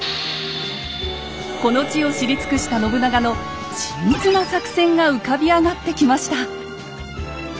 この地を知り尽くした信長の緻密な作戦が浮かび上がってきました。